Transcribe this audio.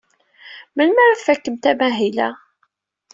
Melmi ara tfakemt amahil-a?